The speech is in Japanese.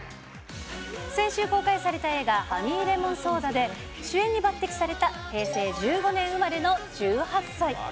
先週公開された映画、ハニーレモンソーダで主演に抜てきされた平成１５年生まれの１８歳。